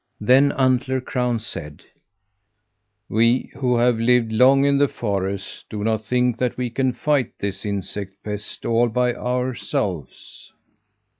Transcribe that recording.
Then Antler Crown said: "We who have lived long in the forest do not think that we can fight this insect pest all by ourselves."